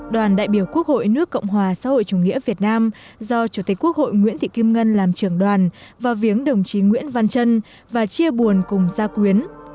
đoàn đại biểu quốc hội nước cộng hòa xã hội chủ nghĩa việt nam do chủ tịch quốc hội nguyễn thị kim ngân làm trưởng đoàn vào viếng đồng chí nguyễn văn trân và chia buồn cùng gia quyến